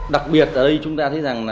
đặc biệt ở đây chúng ta thấy rằng